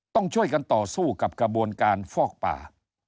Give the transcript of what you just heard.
ต้องช่วยกันต่อสู้กับกระบวนการฟอกป่า